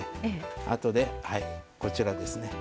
あとでこちらですね。